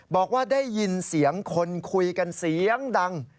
บอกว่าได้ยินเสียงคนคุยกันเสียงดัง